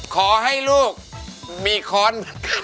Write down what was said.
จริงเหรอพ่อ